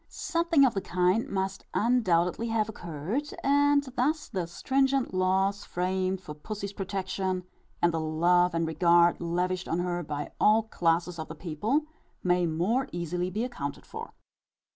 _ Something of the kind must undoubtedly have occurred; and thus the stringent laws framed for pussy's protection, and the love and regard, lavished on her by all classes of the people, may more easily be accounted for.